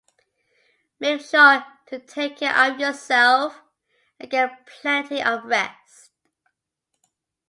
Make sure to take care of yourself and get plenty of rest.